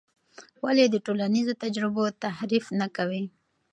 ولې د ټولنیزو تجربو تحریف مه کوې؟